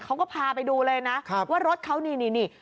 เขาก็พาไปดูเลยนะว่ารถเขานี่นี่